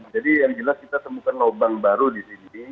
jadi yang jelas kita temukan lubang baru di sini